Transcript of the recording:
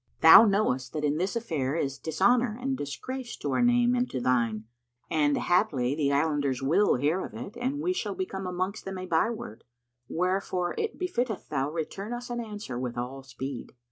Thou knowest that in this affair is dishonour and disgrace to our name and to thine, and haply the islanders will hear of it, and we shall become amongst them a byword; wherefore it befitteth thou return us an answer with all speed."